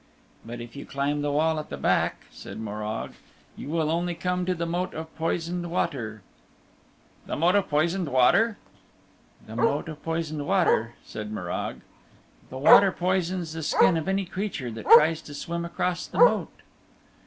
"But if you climb the wall at the back," said Morag, "you will only come to the Moat of Poisoned Water." "The Moat of Poisoned Water?" "The Moat of Poisoned Water," said Morag. "The water poisons the skin of any creature that tries to swim across the Moat."